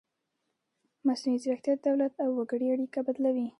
مصنوعي ځیرکتیا د دولت او وګړي اړیکه بدلوي.